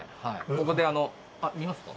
ここであっ見ますか？